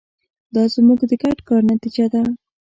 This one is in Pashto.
دا زموږ د ګډ کار نتیجه ده.